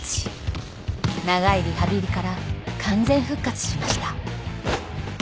長いリハビリから完全復活しました。